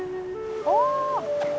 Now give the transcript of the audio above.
お！